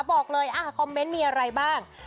บอกเลยคอมเมนต์มีอะไรบ้าง